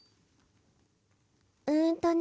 うんとね。